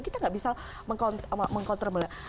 kita tidak bisa mengkontrol